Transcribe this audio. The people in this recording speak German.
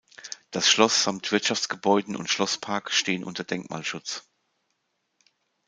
Das Schloss samt Wirtschaftsgebäuden und Schlosspark stehen unter Denkmalschutz.